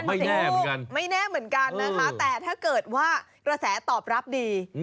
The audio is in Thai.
ไม่แน่เหมือนกันไม่แน่เหมือนกันนะคะแต่ถ้าเกิดว่าระแสตอบรับดี